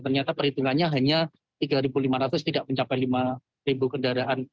ternyata perhitungannya hanya tiga lima ratus tidak mencapai lima kendaraan